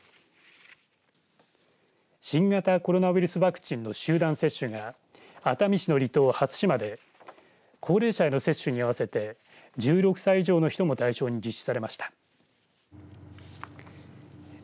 新型コロナウイルスワクチンの集団接種が熱海市の離島、初島で高齢者への接種に合わせて１６歳以上の人も対象に実施されました。